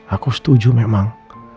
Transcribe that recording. aku setuju memang